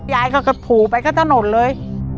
ยายเขาก็ผูไปข้างถนนเลย